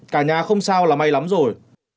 cả nhà không sao là may lắm rồi